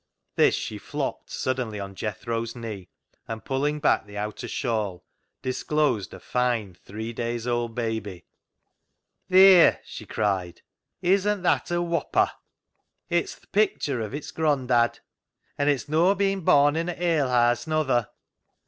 This she " flopped " suddenly on Jethro's knee, and, pulling back the outer shawl, disclosed a fine three days' old baby. " Theer !" she cried, " isn't that a whopper ? 156 CLOG SHOP CHRONICLES It's th' pictur of its grondad ! An' it's no' been born in a alehaase, nother."